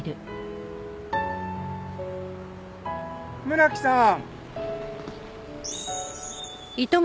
村木さん。